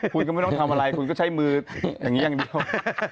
คุณก็ไม่ต้องทำอะไรคุณก็ใช้มืออย่างนี้อย่างเดียว